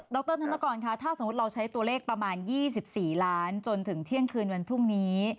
รธนกรคะถ้าสมมุติเราใช้ตัวเลขประมาณ๒๔ล้านจนถึงเที่ยงคืนวันพรุ่งนี้